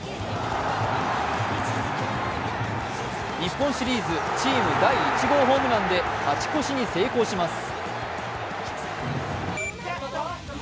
日本シリーズチーム第１号ホームランで勝ち越しに成功します。